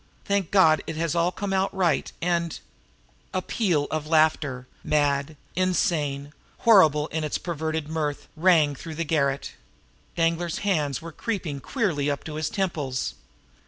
Thank God it has all come out right, and " A peal of laughter, mad, insane, horrible in its perverted mirth, rang through the garret. Danglar's hands were creeping queerly up to his temples.